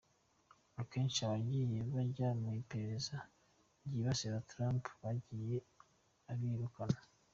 Akenshi abagiye bajya mu iperereza ryibasira Trump, yagiye abirukana.